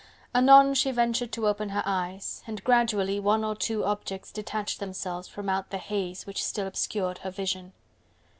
Anon she ventured to open her eyes, and gradually one or two objects detached themselves from out the haze which still obscured her vision.